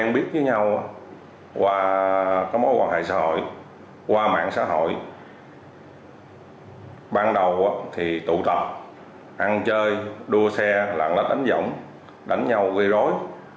ban đầu thì tụ tập ăn chơi đua xe lặng lách đánh giỗng đánh nhau gây rối